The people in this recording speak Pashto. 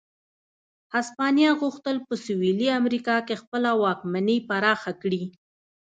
هسپانیا غوښتل په سوېلي امریکا کې خپله واکمني پراخه کړي.